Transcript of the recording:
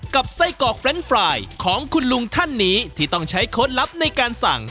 กับใส้กรอกเฟรนด์ฟรายของคุณลุงท่านนี้ที่ต้องใช้โค้ดลับได้ในการสั่ง